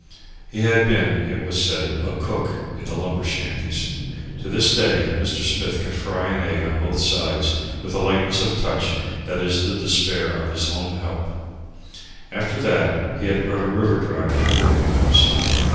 He had been, it was said, a cook in the lumber shanties. To this day Mr. Smith can fry an egg on both sides with a lightness of touch that is the despair of his own "help." After that, he had run a river driver's boarding house.